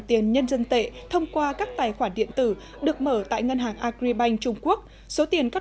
tiền nhân dân tệ thông qua các tài khoản điện tử được mở tại ngân hàng agribank trung quốc số tiền các